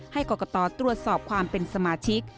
ให้กรกตตรวจสอบความเป็นสมาชิก